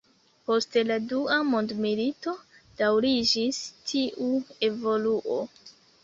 Post la Dua Mondmilito daŭriĝis tiu evoluo.